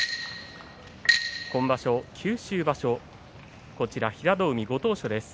今場所、九州場所平戸海、ご当所です。